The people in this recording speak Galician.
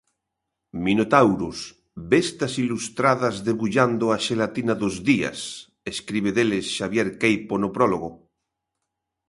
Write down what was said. "Minotauros, bestas ilustradas debullando a xelatina dos días", escribe deles Xavier Queipo no prólogo.